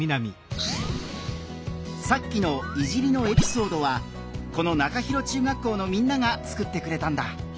さっきの「いじり」のエピソードはこの中広中学校のみんなが作ってくれたんだ。